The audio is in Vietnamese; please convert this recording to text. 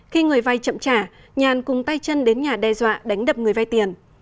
khi người vay chậm trả nhàn cùng tay chân đến nhà đe dọa đánh đập người vay tiền